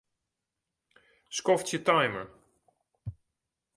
Skoftsje timer.